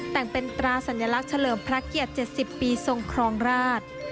แต่งเป็นตราสัญลักษณ์เฉลิมพระเกียรติ๗๐ปีทรงครองราช